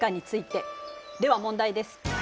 では問題です。